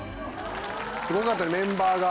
すごかったねメンバーが。